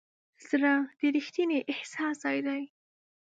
زړه د ریښتیني احساس ځای دی.